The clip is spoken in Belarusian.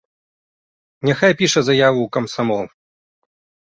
Няхай піша заяву ў камсамол.